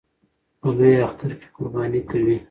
په لوی اختر کې قرباني کوي